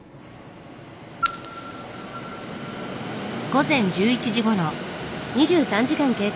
午前１１時ごろ。